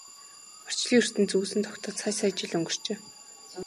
Орчлон ертөнц үүсэн тогтоод сая сая жил өнгөрчээ.